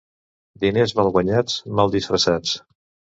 Diners mal guanyats, mal disfressats.